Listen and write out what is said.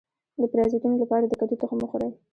د پرازیتونو لپاره د کدو تخم وخورئ